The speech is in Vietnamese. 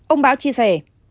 ông báo chia sẻ